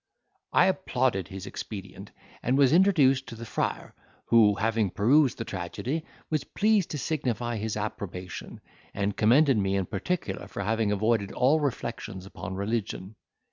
I applauded his expedient, and was introduced to the friar, who, having perused the tragedy, was pleased to signify his approbation, and commended me in particular for having avoided all reflections upon religion.